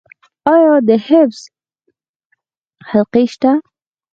آیا د حفظ حلقې شته؟